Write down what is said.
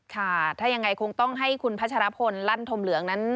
ค่ะถ้ายังไงคงต้องให้คุณพัชรพลลั่นธมเหลืองนั้น